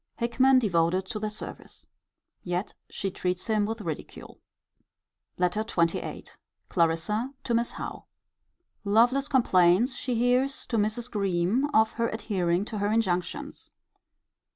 Hickman devoted to their service. Yet she treats him with ridicule. LETTER XXVIII. Clarissa to Miss Howe. Lovelace complains, she hears, to Mrs. Greme, of her adhering to her injunctions.